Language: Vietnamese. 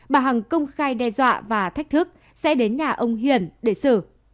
bà hằng công khai đe dọa và thách thức sẽ đến nhà ông hiển để xử